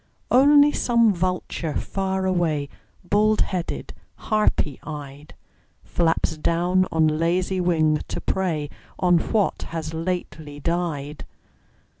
Only some vulture far away, Bald headed, harpy eyed, Flaps down on lazy wing to prey On what has lately died.